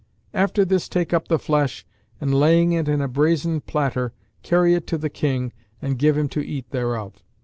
After this take up the flesh and, laying it in a brazen platter, carry it to the King and give him to eat thereof.